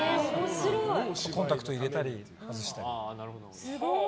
コンタクト入れたり、外したり。